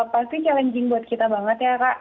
pasti challenging buat kita banget ya kak